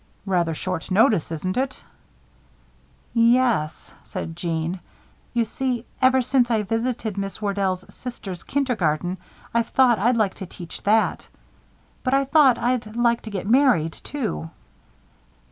"Rather short notice, isn't it?" "Ye es," said Jeanne. "You see, ever since I visited Miss Warden's sister's kindergarten, I've thought I'd like to teach that. But I thought I'd like to get married, too."